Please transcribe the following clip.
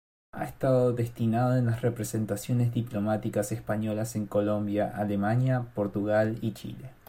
Ha estado destinado en las representaciones diplomáticas españolas en Colombia, Alemania, Portugal y Chile.